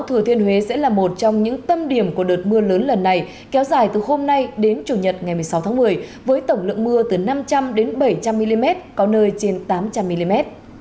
thừa thiên huế sẽ là một trong những tâm điểm của đợt mưa lớn lần này kéo dài từ hôm nay đến chủ nhật ngày một mươi sáu tháng một mươi với tổng lượng mưa từ năm trăm linh bảy trăm linh mm có nơi trên tám trăm linh mm